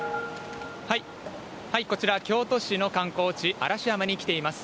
こちら京都市の観光地、嵐山に来ています。